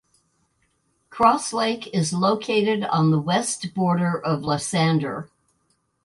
Cross Lake is located on the west border of Lysander.